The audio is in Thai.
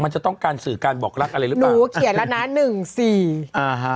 จะต้องการสื่อการบอกรักอะไรหรือเปล่าโหเขียนแล้วนะหนึ่งสี่อ่าฮะ